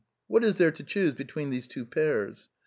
What is there to choose between these two pairs?